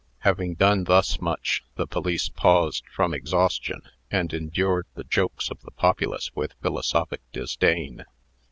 Having done thus much, the police paused from exhaustion, and endured the jokes of the populace with philosophic disdain.